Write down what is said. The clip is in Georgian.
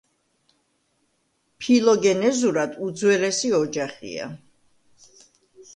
ფილოგენეზურად უძველესი ოჯახია.